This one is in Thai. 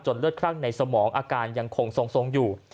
เลือดคลั่งในสมองอาการยังคงทรงอยู่